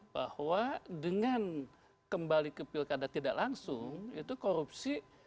bahwa dengan kembali ke pilkada tidak langsung itu korupsi